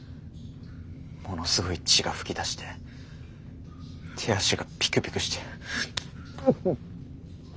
ものすごい血が噴き出して手足がピクピクしてウゥッ。